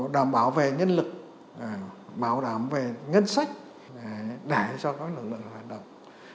đảm bảo về nhân lực bảo đảm về ngân sách để cho các lực lượng hoạt động